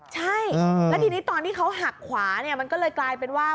ใช่แล้วทีนี้ตอนที่เขาหักขวาเนี่ยมันก็เลยกลายเป็นว่า